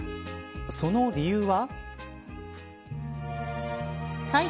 その理由は。